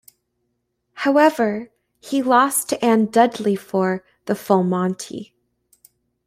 However, he lost to Anne Dudley for "The Full Monty".